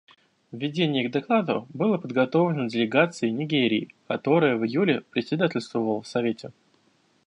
Введение к докладу было подготовлено делегацией Нигерии, которая в июле председательствовала в Совете.